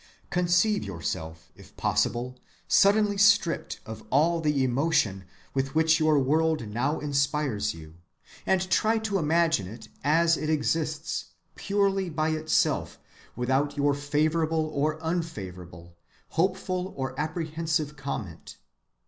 Conceive yourself, if possible, suddenly stripped of all the emotion with which your world now inspires you, and try to imagine it as it exists, purely by itself, without your favorable or unfavorable, hopeful or apprehensive comment.